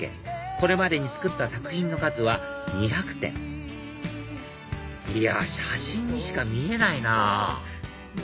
これまでに作った作品の数は２００点いや写真にしか見えないなぁ